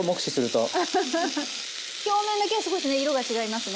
表面だけすごいですね色が違いますね。